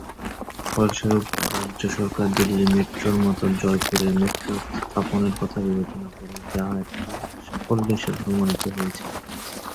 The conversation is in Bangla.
ফলস্বরূপ, রাজ্য সরকার দিল্লি মেট্রোর মতো জয়পুরের মেট্রো স্থাপনের কথা বিবেচনা করে, যা একটি সাফল্য হিসেবে প্রমাণিত হয়েছে।